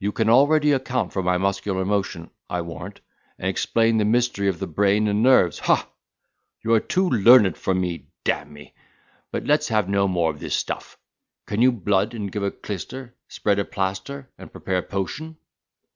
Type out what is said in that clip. You can already account for muscular motion, I warrant, and explain the mystery of the brain and nerves—ha! You are too learned for me, d—n me. But let's have no more of this stuff. Can you blood and give a clyster, spread a plaster, and prepare a potion?"